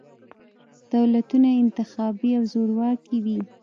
دولتونه انتخابي او زورواکي وي.